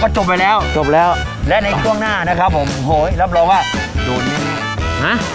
จบไปแล้วจบแล้วและในช่วงหน้านะครับผมโหยรับรองว่าสูตรนี้ฮะ